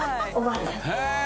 へえ。